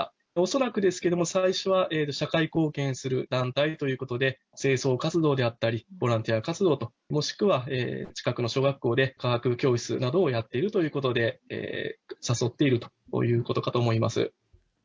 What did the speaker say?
恐らくですけれども、最初は社会貢献する団体ということで、清掃活動であったり、ボランティア活動、もしくは近くの小学校で科学教室などをやっているということで、誘っているということかと思います。